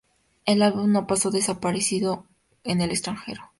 El álbum no pasó desapercibido en el extranjero.